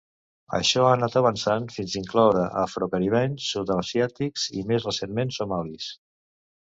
Això ha anat avançant fins incloure afro-caribenys, sud-asiàtics i, més recentment, somalis.